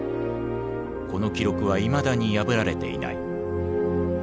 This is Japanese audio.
この記録はいまだに破られていない。